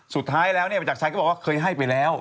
สุดท้ายแล้วเนี่ยประจักรชัยก็บอกว่าเคยให้ไปแล้ว